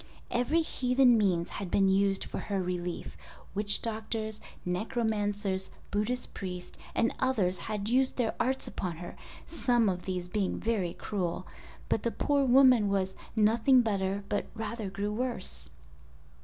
Every heathen means had been used for her relief. Witch doctors, necromancers, Buddhist priests, and others had used their arts upon her (some of these being very cruel), but the poor woman was "nothing better, but rather grew worse."